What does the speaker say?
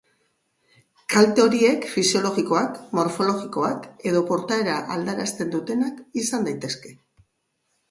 Kalte horiek fisiologikoak, morfologikoak edo portaera aldarazten dutenak izan daitezke.